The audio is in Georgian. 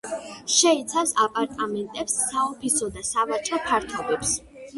შეიცავს აპარტამენტებს, საოფისე და სავაჭრო ფართობებს.